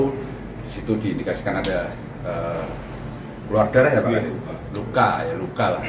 disitu diindikasikan ada keluarga luka